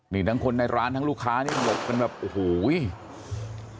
นี่ทั้งคนในร้านทั้งลูกค้ารบกันหวูยยย